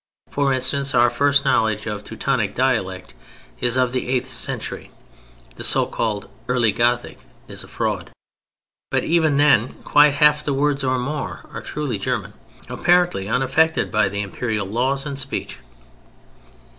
For instance, our first knowledge of Teutonic dialect is of the eighth century (the so called Early Gothic is a fraud) but even then quite half the words or more are truly German, apparently unaffected by the Imperial laws and speech.